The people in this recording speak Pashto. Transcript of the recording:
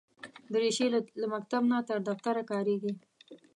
دریشي له مکتب نه تر دفتره کارېږي.